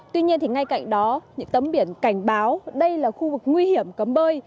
tuy nhiên ngay cạnh đó những tấm biển cảnh báo đây là khu vực nguy hiểm cấm bơi